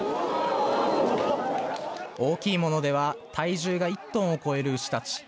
大きいものでは体重が１トンを超える牛たち。